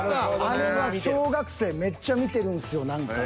あれは小学生めっちゃ見てるんすよ何か。